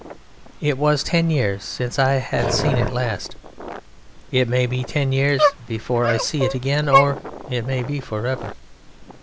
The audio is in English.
It was ten years since I had seen it last. It may be ten years before I see it again, or it may be for ever.